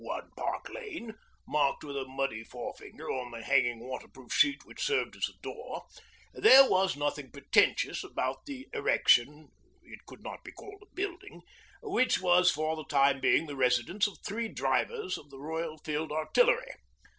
1, Park lane,' marked with a muddy forefinger on the hanging waterproof sheet which served as a door, there was nothing pretentious about the erection it could not be called a building which was for the time being the residence of three drivers of the Royal Field Artillery.